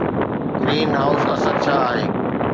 Green house اثر ڇا آهي؟